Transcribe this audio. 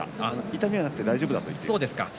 痛みはなくて大丈夫だと言ってました。